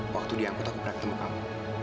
waktu diangkut aku pernah ketemu kamu